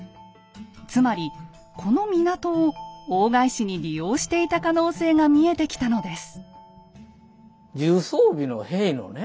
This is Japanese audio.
つまりこの港を大返しに利用していた可能性が見えてきたのです。